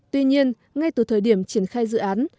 tuy nhiên ngay từ thời điểm triển khai dự án